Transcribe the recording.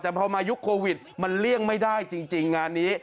แต่พอมายุคโควิดมันเลี่ยงไม่ได้จริงงานนี้